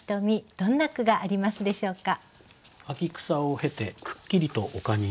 どんな句がありますでしょうか？